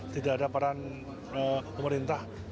tidak ada peran pemerintah